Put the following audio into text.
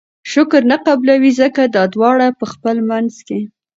شکر نه قبلوي!! ځکه دا دواړه په خپل منځ کي